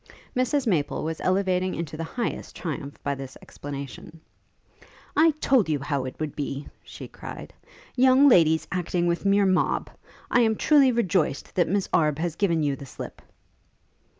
Mrs Maple was elevated into the highest triumph by this explanation. 'I told you how it would be!' she cried. 'Young ladies acting with mere mob! I am truly rejoiced that Miss Arbe has given you the slip.'